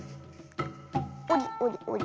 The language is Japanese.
おりおりおり。